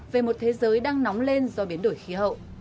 về một thế giới đang nóng lên do biến đổi khí hậu